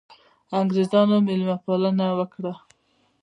انګرېزانو مېلمه پالنه وکړه.